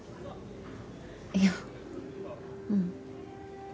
いやうん。